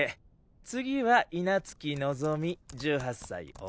次は稲月望１８歳女。